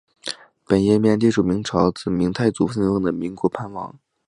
本页面列出明朝自明太祖分封的岷国藩王。